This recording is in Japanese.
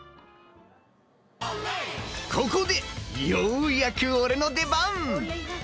ここでようやく俺の出番！